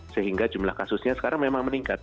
sehingga jumlah kasusnya sekarang memang meningkat